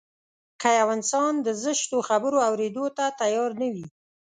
که يو انسان د زشتو خبرو اورېدو ته تيار نه وي.